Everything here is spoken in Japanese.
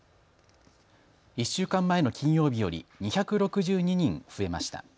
１週間前の金曜日より２６２人増えました。